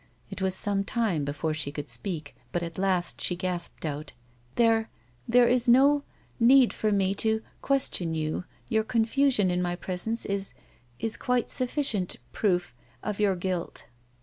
It was some time before she could speak, but at last she gasped out :" There — there — is no — need for me to — question you. Your confusion in my presence — is — is quite sufficient — proof — of your guilt."